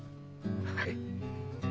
はい。